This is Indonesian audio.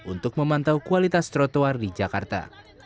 untuk memantau kualitas trotoar di jakarta